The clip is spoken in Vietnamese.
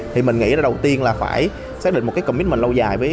thì mình nghĩ là đầu tiên là phải xác định một cái commitment lâu dài